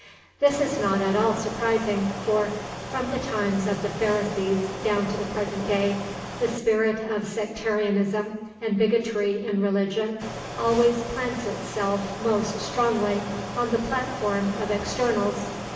This is not at all surprising, for, from the times of the Pharisees down to the present day, the spirit of sectarianism and bigotry in religion always plants itself most strongly on the platform of externals.